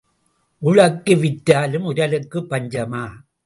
உழக்கு விற்றாலும் உரலுக்குப் பஞ்சமா?